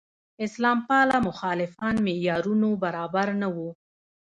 اسلام پاله مخالفان معیارونو برابر نه وو.